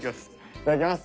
いただきます。